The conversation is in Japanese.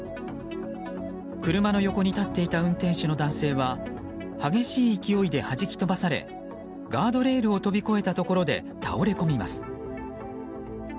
車の横に立っていた運転手の男性は激しい勢いではじき飛ばされガードレールを飛び越えたところで倒れこみます。